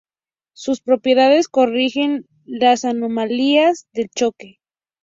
Sus propiedades corrigen las anomalías del choque.